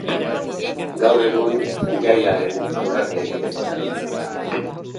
Gaur egun, jaiaren aldarria egiteko erabiltzen da.